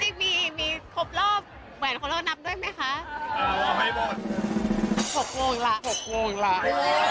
จริงมีมีคบรอบแหวนของเรานำด้วยไหมคะอ่าเราเอาให้หมด